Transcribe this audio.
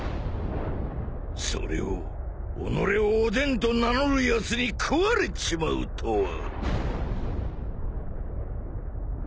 それをおのれを「おでん」と名乗るやつに食われちまうとは。